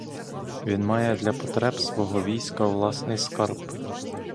Він має для потреб свого війська власний скарб.